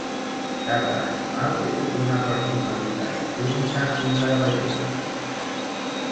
Cada animal té una personalitat única i meravellosa.